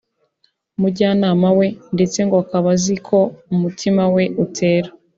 umujyanama we ndetse ngo akaba azi uko umutima we utera